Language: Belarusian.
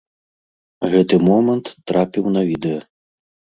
Гэты момант трапіў на відэа.